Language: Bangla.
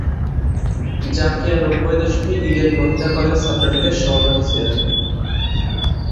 জাকিয়া নব্বই দশকে ইডেন মহিলা কলেজ ছাত্রলীগের সভাপতি ছিলেন।